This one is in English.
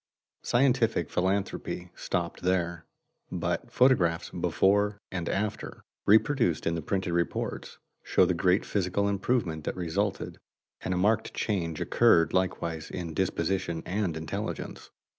Scientific philanthropy stopped there, but photographs "before and after," reproduced in the printed reports, show the great physical improvement that resulted, and a marked change occurred likewise in disposition and intelligence.